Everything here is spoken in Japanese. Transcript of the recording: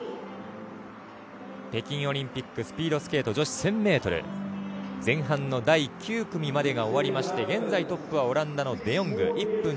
北京オリンピックスピードスケート女子１０００ｍ前半の第９組まで終わりまして現在トップはオランダのデ・ヨング。